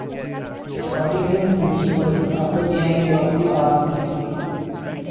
It continues the story after the ending of the Arm campaign.